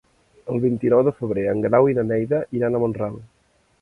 El vint-i-nou de febrer en Grau i na Neida iran a Mont-ral.